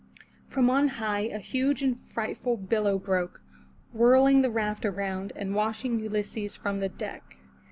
From on high a huge and frightful billow broke, whirling the raft around, and washing Ulysses from the deck.